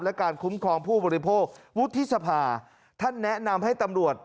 และการคุ้มครองผู้บริโภควุฒิสภาท่านแนะนำให้ตำรวจ